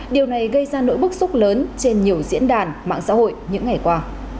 điều này gây ra nỗi bức xúc lớn trên nhiều diễn đàn mạng xã hội những ngày qua